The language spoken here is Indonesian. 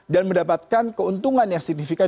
dan mendapatkan keuntungan yang signifikan